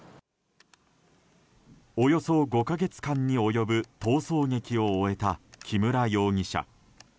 およそ５か月間に及ぶ逃走劇を終えた木村容疑者。